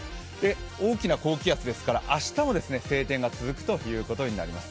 大きな高気圧ですから明日も晴天が続くことになります。